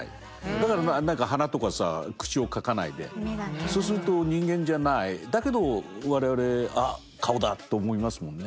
だから何か鼻とかさ口を描かないでそうすると人間じゃないだけど我々あっ顔だと思いますもんね。